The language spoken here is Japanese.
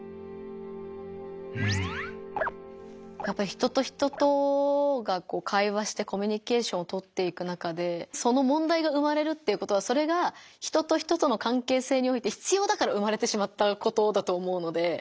やっぱり人と人とが会話してコミュニケーションをとっていく中でそのもんだいが生まれるっていうことはそれが人と人との関係性において必要だから生まれてしまったことだと思うので。